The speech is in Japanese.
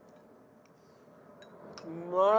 うまーい！